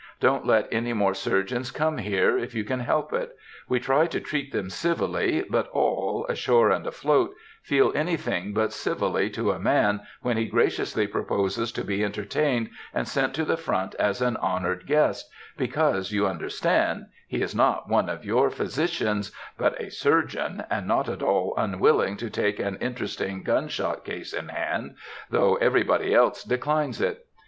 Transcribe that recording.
Don't let any more surgeons come here, if you can help it. We try to treat them civilly, but all, ashore and afloat, feel anything but civilly to a man when he graciously proposes to be entertained and sent to the front as an honored guest, because, you understand, he is not one of your "physicians," but a "surgeon," and not at all unwilling to take an interesting gunshot case in hand, though everybody else declines it!